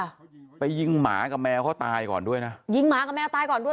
ไปยิงหมากับแมวเขาตายก่อนด้วยนะยิงหมากับแมวตายก่อนด้วย